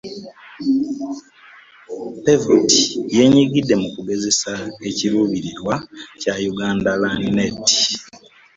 PEVOT yeenyigidde mu kugezesa ekiruubirirwa kya Ugandan LearnNet.